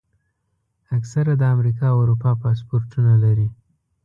اکثره د امریکا او اروپا پاسپورټونه لري.